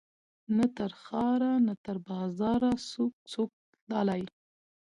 نه تر ښار نه تر بازاره سو څوک تللای